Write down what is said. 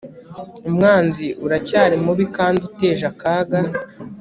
Umwanzi uracyari mubi kandi uteje akaga